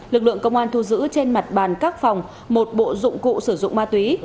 lực lượng công an thu giữ trên mặt bàn các phòng một bộ dụng cụ sử dụng ma túy